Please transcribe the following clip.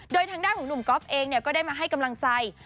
โดยทางด้านของหนุ่มก๊อฟเองก็ได้มาให้กำลังใจ